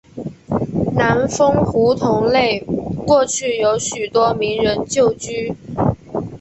南丰胡同内过去有许多名人旧居。